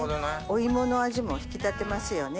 お芋の味も引き立てますよね。